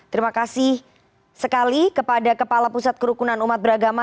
terima kasih sekali kepada kepala pusat kerukunan umat beragama